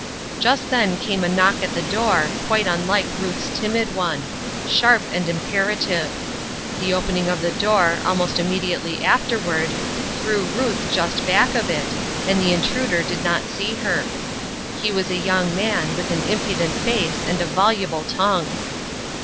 Just then came a knock at the door, quite unlike Ruth's timid one ; sharp, and imperative. The opening of the door, almost immediately after ward, threw Ruth just back of it, and the intruder did not see her. He was a young man, with an impudent face, and a voluble tongue.